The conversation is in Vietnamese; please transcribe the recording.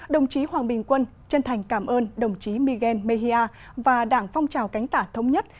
đồng chí hoàng bình quân chân thành cảm ơn đồng chí miguel mejia và đảng phong trào cánh tả thống nhất